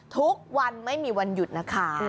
ทุกวันไม่มีวันหยุดนะคะ